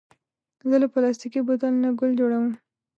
زه له پلاستيکي بوتل نه ګل جوړوم.